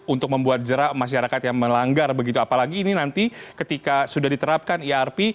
untuk membuat jerak masyarakat yang melanggar begitu apalagi ini nanti ketika sudah diterapkan irp